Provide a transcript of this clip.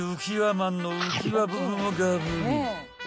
まんの浮輪部分をガブリ］